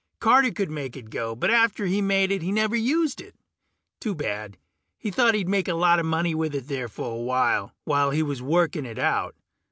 Carter could make it go, but after he made it he never used it. Too bad; he thought he'd make a lot of money with it there for awhile, while he was working it out.